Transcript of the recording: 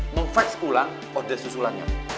memfax ulang odes usulannya